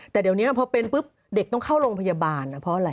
แต่เดี๋ยวนี้พอเป็นปุ๊บเด็กต้องเข้าโรงพยาบาลนะเพราะอะไร